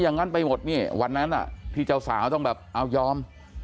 อย่างนั้นไปหมดนี่วันนั้นที่เจ้าสาวต้องแบบเอายอม